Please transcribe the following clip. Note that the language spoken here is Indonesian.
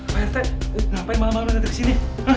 pak rt pak rt ngapain malem malem anda datang kesini